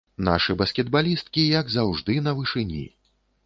Нашы баскетбалісткі, як заўжды, на вышыні.